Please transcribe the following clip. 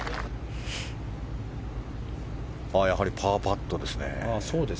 やはりパーパットですね。